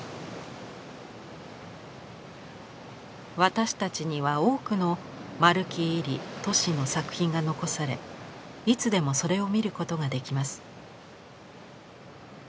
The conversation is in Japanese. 私たちには多くの丸木位里・俊の作品が残されいつでもそれを見ることができます。